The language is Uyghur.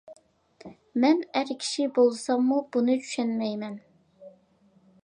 مەن ئەر كىشى بولساممۇ بۇنى چۈشەنمەيمەن!